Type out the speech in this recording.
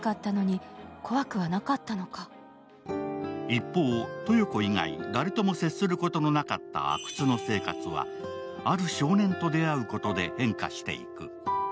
一方、豊子以外、誰とも接することのなかった阿久津の生活はある少年と出会うことで変化していく。